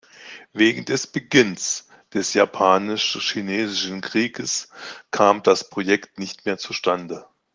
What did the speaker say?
Wegen des Beginns des japanisch-chinesischen Krieges kam das Projekt nicht mehr zustande.